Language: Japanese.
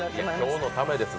今日のためです。